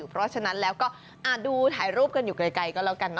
เพราะฉะนั้นดูถ่ายรูปกันอยู่ไกลก็แล้วกัน